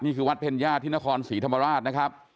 นี่คือวัดเพลญาติที่นครศรีธรรมราชนะครับ